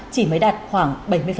chỉ mới đạt khoảng bảy mươi